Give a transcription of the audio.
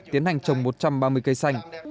tiến hành trồng một trăm ba mươi cây xanh